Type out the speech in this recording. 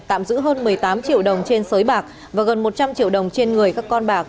tạm giữ hơn một mươi tám triệu đồng trên sới bạc và gần một trăm linh triệu đồng trên người các con bạc